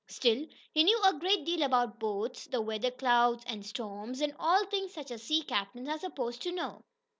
Still, he knew a great deal about boats, the weather clouds and storms, and all things such as sea captains are supposed to know.